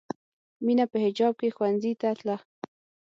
مینه په حجاب کې ښوونځي ته تله